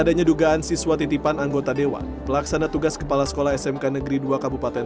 penyedugaan siswa titipan anggota dewa pelaksana tugas kepala sekolah smk negeri dua kabupaten